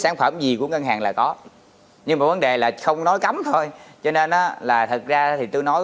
sản phẩm gì của ngân hàng là có nhưng mà vấn đề là không nói cấm thôi cho nên là thật ra thì tôi nói